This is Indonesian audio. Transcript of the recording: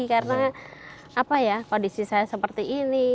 karena kondisi saya seperti ini